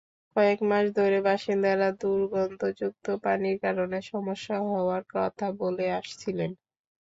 কয়েক মাস ধরে বাসিন্দারা দুর্গন্ধযুক্ত পানির কারণে সমস্যা হওয়ার কথা বলে আসছিলেন।